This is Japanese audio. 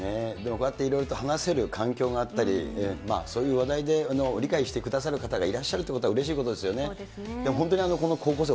こうやっていろいろと話せる環境があったり、そういう話題、理解してくださる方がいらっしゃるということは、うれしいことですよね。